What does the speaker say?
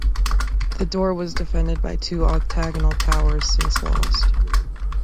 The door was defended by two octagonal towers since lost.